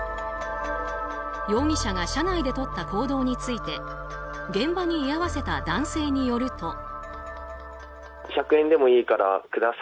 容疑者が車内でとった行動について現場に居合わせた男性によると。